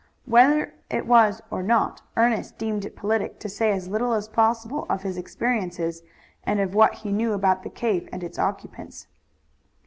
Whether it was or not Ernest deemed it politic to say as little as possible of his experiences and of what he knew about the cave and its occupants.